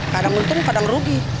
kadang untung kadang rugi